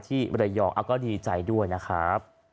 ที่ระยองอ้าก็ดีใจด้วยนะครับ